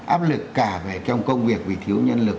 áp lực cả về trong công việc vì thiếu nhân lực